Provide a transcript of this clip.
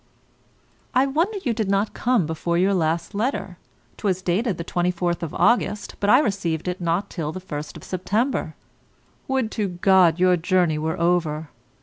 I wonder you did not come before your last letter. 'Twas dated the 24th of August, but I received it not till the 1st of September. Would to God your journey were over!